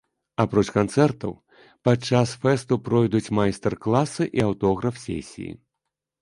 Апроч канцэртаў падчас фэсту пройдуць майстар-класы і аўтограф-сесіі.